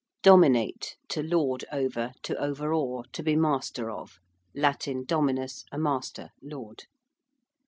~Dominate~: to lord over, to overawe, to be master of. (Latin dominus, a master, lord.)